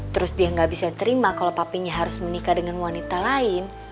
terus dia gak bisa terima kalo papinya harus menikah dengan wanita lain